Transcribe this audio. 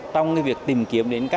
trong cái việc tìm kiếm đến các